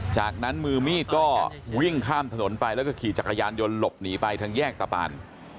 จากนั้นมือมีดก็วิ่งข้ามถนนไปแล้วก็ขี่จักรยานยนต์หลบหนีไปทางแยกตะปาน